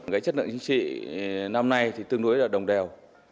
vì chất lượng nhân sĩ năm nay tương đối là đồng đều